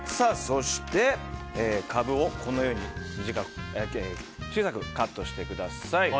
そして、カブをこのように小さくカットしてください。